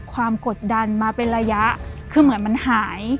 กดดันมาเป็นระยะคือเหมือนมันหาย